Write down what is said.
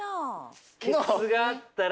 ケツがあったら。